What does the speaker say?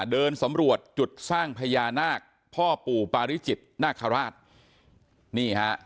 เดินสำรวจจุดสร้างพญานาคพ่อปู่ปาริจิตนาคาราชนี่ฮะ